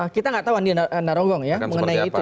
kita gak tahu andi naronggong mengenai itu